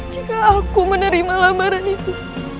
jika aku menerima lamaran itu